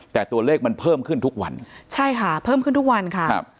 แต่ตัวเลขมันเพิ่มขึ้นทุกวันใช่ค่ะเพิ่มขึ้นทุกวันค่ะครับ